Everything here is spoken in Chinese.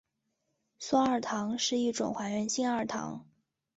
松二糖是一种还原性二糖。